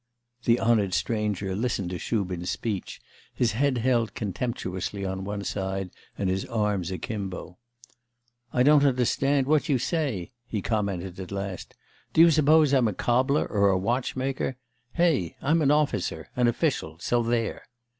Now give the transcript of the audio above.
The 'honoured stranger' listened to Shubin's speech, his head held contemptuously on one side and his arms akimbo. 'I don't understand what you say,' he commented at last. 'Do you suppose I'm a cobbler or a watchmaker? Hey! I'm an officer, an official, so there.